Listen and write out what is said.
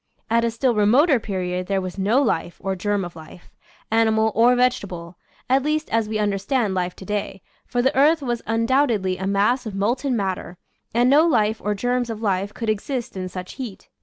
At a still remoter period there was no life or germ of life, ani mal or vegetable, at least as we understand life to day, for the earth was undoubtedly a mass of molten matter, and no life or germs of life could exist in such heat.